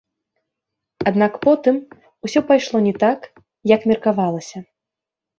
Аднак потым усё пайшло не так, як меркавалася.